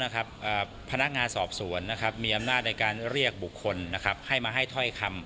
การเรียกเขียนไปจะเป็นเรียกเข้ามาสอบคำ